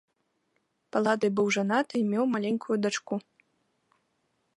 Паладый быў жанаты і меў маленькую дачку.